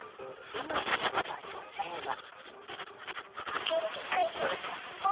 被害に遭った女性は。